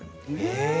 へえ。